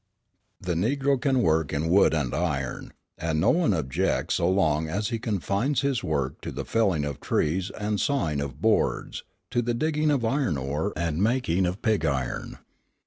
The Negro can work in wood and iron; and no one objects so long as he confines his work to the felling of trees and sawing of boards, to the digging of iron ore and making of pig iron.